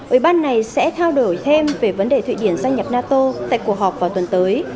ủy ban này sẽ thao đổi thêm về vấn đề thụy điển gia nhập nato tại cuộc họp vào tuần tới